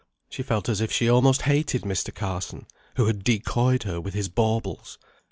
She felt as if she almost hated Mr. Carson, who had decoyed her with his baubles.